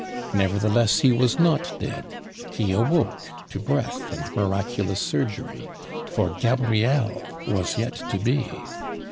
Nevertheless he was not dead; he awoke to breath and miraculous surgery for Gabriel was yet to be.